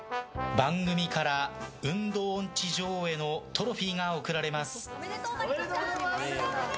番組から運動音痴女王へのトロフィーが贈られます。